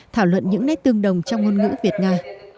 thảo luận những nét tương đồng trong ngôn ngữ việt nga